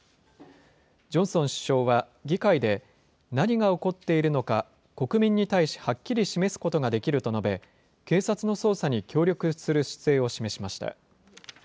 ジョンソン首相は議会で、何が起こっているのか、国民に対しはっきり示すことができると述べ、警察の捜査に協力する姿勢を示しました。